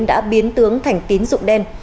đã biến tướng thành tín dụng đen